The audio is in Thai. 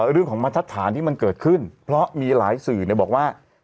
เรื่องของมัสทัศค์ฐานที่มันเกิดขึ้นเพราะมีหลายสื่อบอกว่า